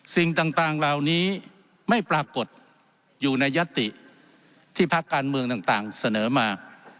สิ่งต่างเหล่านี้ไม่ปรากฏอยู่ในยัตติที่พักการเมืองต่างเสนอมา